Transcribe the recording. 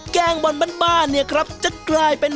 แก้งบนบ้านเนี่ยครับจะกลายเป็น